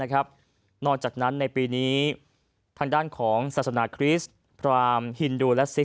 ๔วัดนะครับนอกจากนั้นในปีนี้ทางด้านของศาสนาคริสต์พราหมณ์ฮินดูและ